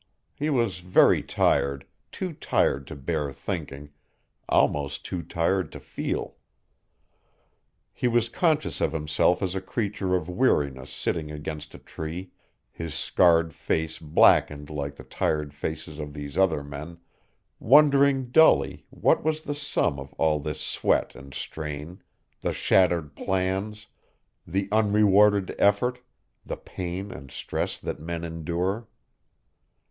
He was very tired, too tired to bear thinking, almost too tired to feel. He was conscious of himself as a creature of weariness sitting against a tree, his scarred face blackened like the tired faces of these other men, wondering dully what was the sum of all this sweat and strain, the shattered plans, the unrewarded effort, the pain and stress that men endure.